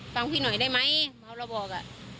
ฟังพี่หน่อยได้ไหมเมาแล้วบอก